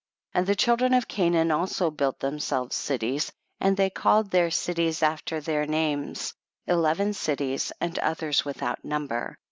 24. And the children of Canaan also built themselves cities, and they called their cities after their names, eleven cities and others without number.